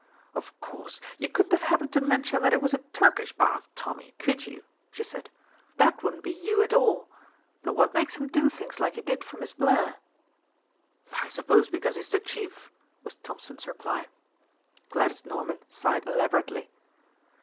"Of course, you couldn't have happened to mention that it was a Turkish bath, Tommy, could you?" she said. "That wouldn't be you at all. But what makes him do things like he did for Miss Blair?" "I suppose because he's the Chief," was Thompson's reply. Gladys Norman sighed elaborately.